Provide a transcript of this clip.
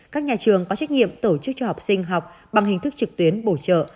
các nhà trường có trách nhiệm tổ chức cho học sinh học bằng hình thức trực tuyến bổ trợ